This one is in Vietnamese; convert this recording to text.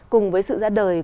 cùng với sự ra đời